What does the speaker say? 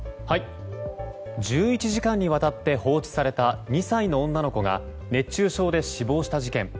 １１時間にわたって放置された２歳の女の子が熱中症で死亡した事件。